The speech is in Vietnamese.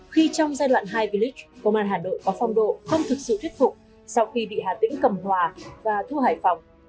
khi trong giai đoạn hai blix công an hà nội có phong độ không thực sự thuyết phục sau khi bị hà tĩnh cầm hòa và thu hải phòng